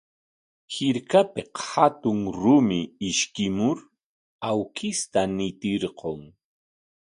Hirkapik hatun rumi ishkimur awkishta ñitirqun.